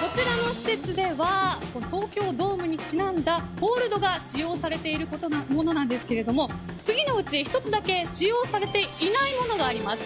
こちらの施設では東京ドームにちなんだホールドが使用されているものなんですけども次のうち１つだけ使用されていないものがあります。